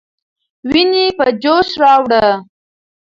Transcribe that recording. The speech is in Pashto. ويني په جوش راوړه.